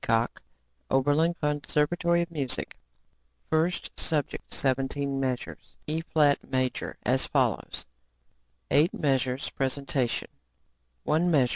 HEACOX, Oberlin Conservatory of Music First Subject 17 measures, E[flat] major, as follows: 8 meas. presentation, one meas.